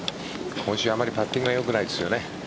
今週あまりパッティングがよくないですよね。